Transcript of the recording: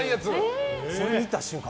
それを見た瞬間